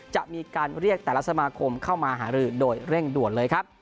จะมีการเรียกแต่ละสมาคมเข้ามาหารือโดยเร่งด่วนเลยครับ